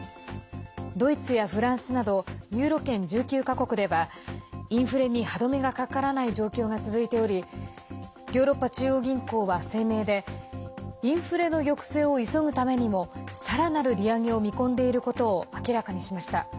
ドイツやフランスなどユーロ圏１９か国ではインフレに歯止めがかからない状況が続いておりヨーロッパ中央銀行は声明でインフレの抑制を急ぐためにもさらなる利上げを見込んでいることを明らかにしました。